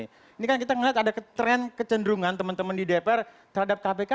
ini kan kita melihat ada tren kecenderungan teman teman di dpr terhadap kpk